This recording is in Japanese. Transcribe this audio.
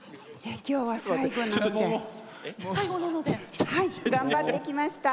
今日は最後なので頑張ってきました。